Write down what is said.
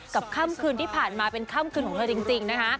ค่ำคืนที่ผ่านมาเป็นค่ำคืนของเธอจริงนะคะ